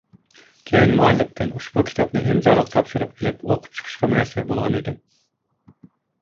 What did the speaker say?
كېيىن مۇئەللىپتىن ئۇشبۇ كىتابنى ئىمزالىق تاپشۇرۇپ ئېلىپ ئوقۇپ چىقىشقا مۇيەسسەر بولغان ئىدىم.